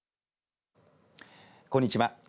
こんにちは。